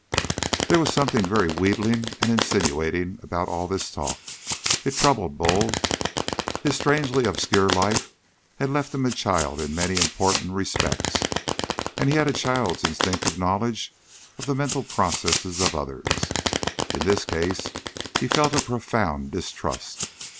There was something very wheedling and insinuating about all this talk. It troubled Bull. His strangely obscure life had left him a child in many important respects, and he had a child's instinctive knowledge of the mental processes of others. In this case he felt a profound distrust.